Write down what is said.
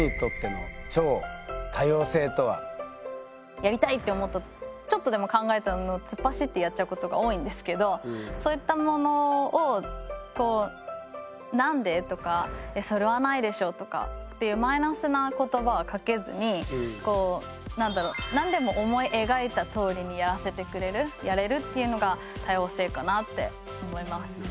やりたいって思ったちょっとでも考えたのを突っ走ってやっちゃうことが多いんですけどそういったものを「何で？」とか「えそれはないでしょ」とかっていうマイナスな言葉はかけずにこう何だろうやれるっていうのが多様性かなって思います。